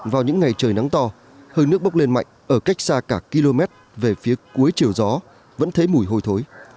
vào những ngày trời nắng to hơi nước bốc lên mạnh ở cách xa cả km về phía cuối chiều gió vẫn thấy mùi hôi thối